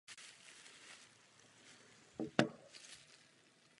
Ani u toho nezůstal.